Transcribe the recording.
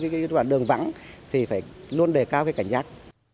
nhưng mà buộc phải đi vào các đường vắng thì phải luôn đề cao cảnh giác